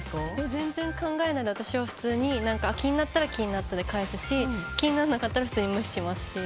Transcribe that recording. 全然考えないで、私は普通に気になったら気になったで返すし気にならなかったら普通に無視しますし。